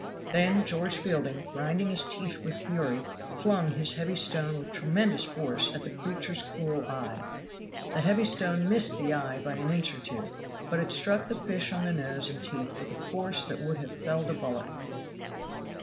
Then George Fielding, grinding his teeth with fury, flung his heavy stone with tremendous force at the creature's cruel eye. The heavy stone missed the eye by an inch or two, but it struck the fish on the nose and teeth with a force that would have felled a bullock.